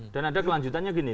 dan ada kelanjutannya gini